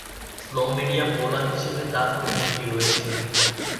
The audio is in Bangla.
স্লো-মিডিয়াম বোলার হিসেবে তার পরিচিতি রয়েছে।